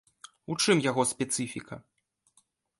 У чым яго спецыфіка?